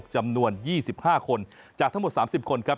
จำนวน๒๕คนจากทั้งหมด๓๐คนครับ